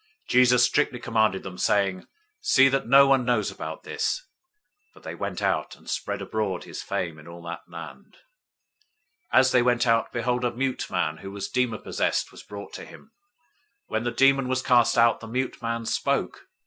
Jesus strictly charged them, saying, "See that no one knows about this." 009:031 But they went out and spread abroad his fame in all that land. 009:032 As they went out, behold, a mute man who was demon possessed was brought to him. 009:033 When the demon was cast out, the mute man spoke.